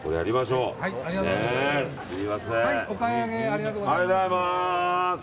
お買い上げありがとうございます。